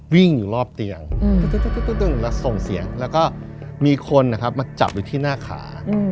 วิ่งอยู่รอบเตียงแล้วส่งเสียงแล้วก็มีคนนะครับมาจับอยู่ที่หน้าขา